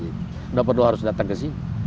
tidak perlu harus datang ke sini